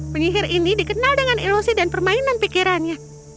penyihir ini dikenal dengan ilusi dan permainan pikirannya